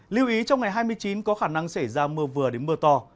lưu ý trong ngày hai mươi chín có khả năng xảy ra mưa vừa đến mưa to